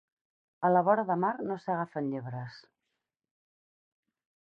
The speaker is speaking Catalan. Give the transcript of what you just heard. A la vora de mar no s'agafen llebres.